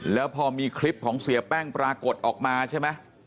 แล้วพอมีคลิปของเสียแป้งปรากฏออกมาใช่ไหม